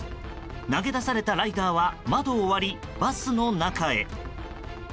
投げ出されたライダーは窓を割りバスの中へ。